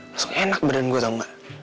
langsung enak badan gue tau gak